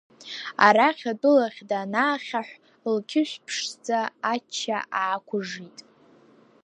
Арахь атәылахь данаахьаҳә, лқьышә ԥшӡа ачча аақәыжжит…